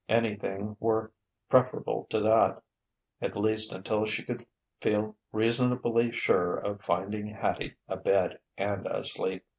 Anything were preferable to that at least until she could feel reasonably sure of finding Hattie abed and asleep.